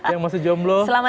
yang masih jomblo selamat tinggal